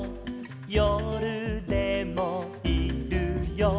「よるでもいるよ」